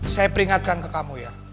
saya peringatkan ke kamu ya